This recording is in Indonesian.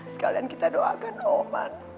sekalian kita doakan om man